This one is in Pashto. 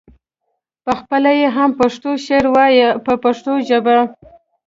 پخپله یې هم پښتو شعر وایه په پښتو ژبه.